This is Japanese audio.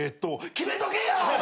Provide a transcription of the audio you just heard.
決めとけよ！